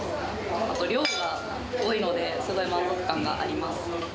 あと量が多いので、すごい満足感があります。